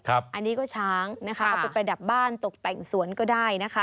อันนี้ก็ช้างนะคะเอาไปประดับบ้านตกแต่งสวนก็ได้นะคะ